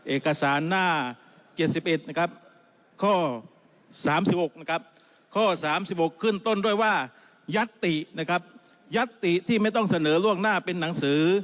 เอกสารหน้า๗๑ข้อ๓๖ข้อ๓๖ขึ้นต้นด้วยว่ายัตติยัตติที่ไม่ต้องเสนอล่วงหน้าเป็นหนังสือ